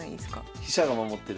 飛車が守ってる。